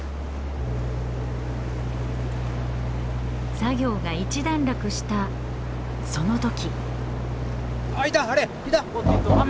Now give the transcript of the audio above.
作業が一段落したその時。